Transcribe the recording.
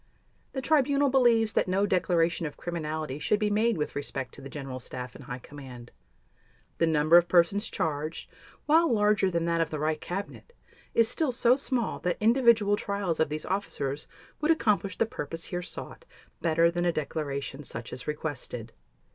The Tribunal believes that no declaration of criminality should be made with respect to the General Staff and High Command. The number of persons charged, while larger than that of the Reich Cabinet, is still so small that individual trials of these officers would accomplish the purpose here sought better than a declaration such as requested.